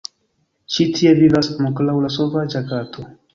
Ĉi tie vivas ankoraŭ la sovaĝa kato.